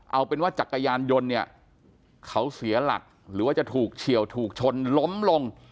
เอาเป็นว่าจักรยานยนต์เนี่ยเขาเสียหลักหรือว่าจะถูกเฉียวถูกชนล้มลง